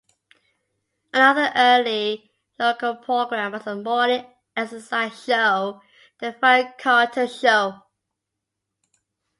Another early local program was a morning exercise show, "The Fran Carlton Show".